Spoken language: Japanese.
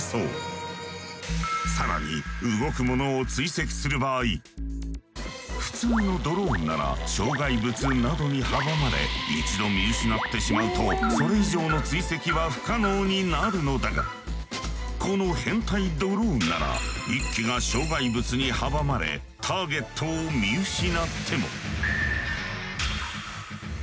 更に動くものを追跡する場合普通のドローンなら障害物などに阻まれ一度見失ってしまうとそれ以上の追跡は不可能になるのだがこの編隊ドローンなら１機が障害物に阻まれターゲットを見失っても。